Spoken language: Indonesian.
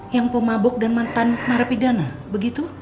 yang pemabok dan mantan narapidana begitu